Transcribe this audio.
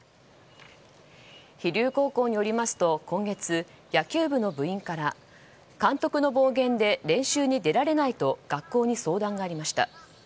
飛龍高校によりますと今月、野球部の部員から監督の暴言で練習に出られないと学校に相談がありました。